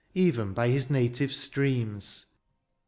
Even by his native streams.